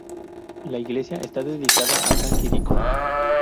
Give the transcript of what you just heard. La iglesia está dedicada a san Quirico.